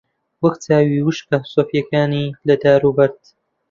وەک چاوی وشکە سۆفییەکانی لە دار و بەرد